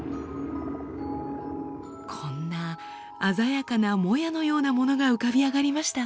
こんな鮮やかなもやのようなものが浮かび上がりました。